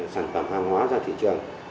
sản phẩm hàng hóa ra thị trường